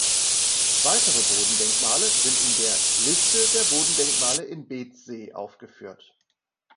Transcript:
Weitere Bodendenkmale sind in der "Liste der Bodendenkmale in Beetzsee" aufgeführt.